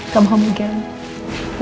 kamu mau pergi lagi